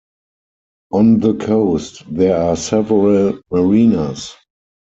On the coast there are several marinas.